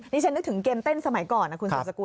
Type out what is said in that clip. นี่ฉันนึกถึงเกมเต้นสมัยก่อนนะคุณสุดสกุ